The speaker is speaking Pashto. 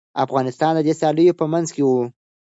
افغانستان د دې سیالیو په منځ کي و.